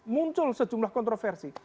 muncul sejumlah kontroversi